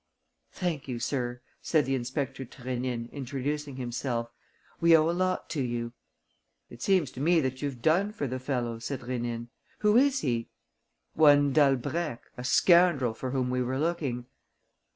"Thank you, sir," said the inspector to Rénine introducing himself. "We owe a lot to you." "It seems to me that you've done for the fellow," said Rénine. "Who is he?" "One Dalbrèque, a scoundrel for whom we were looking."